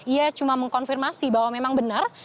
ia cuma mengkonfirmasi bahwa memang benar